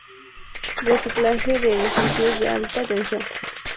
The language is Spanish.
Reciclaje de edificio de Alta Tensión.